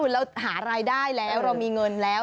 เราหารายได้แล้วเรามีเงินแล้ว